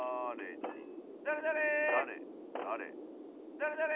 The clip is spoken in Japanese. だれだれ！